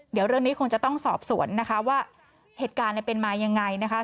เดี๋ยวเรื่องนี้คงจะต้องสอบสวนนะคะว่าเหตุการณ์เป็นมายังไงนะคะ